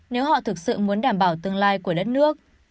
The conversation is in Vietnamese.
nếu họ thực sự muốn đảm bảo tương lai của đất nước